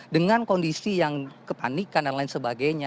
dengan kondisi yang kepanikan dan lain sebagainya